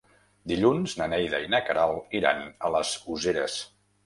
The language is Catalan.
Dilluns na Neida i na Queralt iran a les Useres.